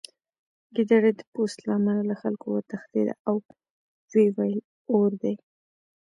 ګیدړې د پوست له امله له خلکو وتښتېده او ویې ویل اور دی